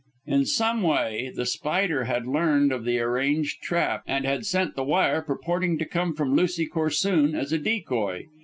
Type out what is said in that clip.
In some way The Spider had learned of the arranged trap, and had sent the wire purporting to come from Lucy Corsoon as a decoy.